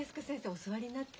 お座りになって。